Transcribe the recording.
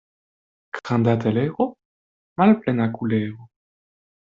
Granda telero, malplena kulero.